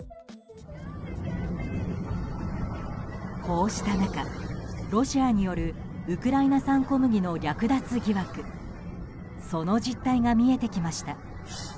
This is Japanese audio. こうした中、ロシアによるウクライナ産小麦の略奪疑惑その実態が見えてきました。